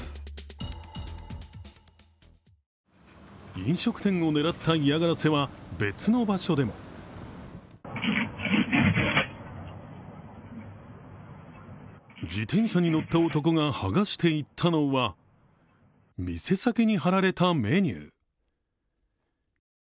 飲食店を狙った嫌がらせは別の場所でも自転車に乗った男が剥がしていったのは、店先に貼られたメニュー。